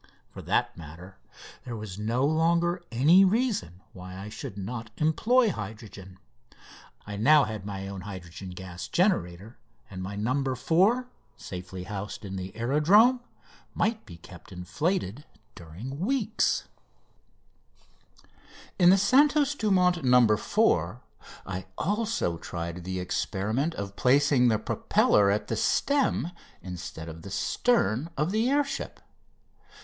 For that matter, there was no longer any reason why I should not employ hydrogen. I now had my own hydrogen gas generator, and my "No. 4," safely housed in the aerodrome, might be kept inflated during weeks. [Illustration: Fig. 7] In the "Santos Dumont, No. 4," I also tried the experiment of placing the propeller at the stem instead of the stern of the air ship.